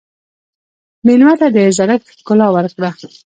مېلمه ته د زړښت ښکلا ورکړه.